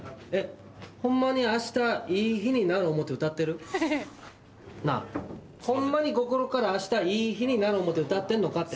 ホンマに明日いい日になる思うて歌ってる？なぁホンマに心から明日いい日になる思うて歌ってんのかって。